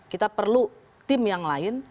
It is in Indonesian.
kita perlu tim yang lain